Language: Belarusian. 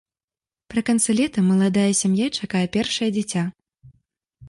Пры канцы лета маладая сям'я чакае першае дзіця.